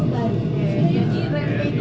jadi remnya itu perlahan ya